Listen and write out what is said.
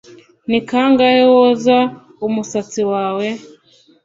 Ni kangahe woza umusatsi wawe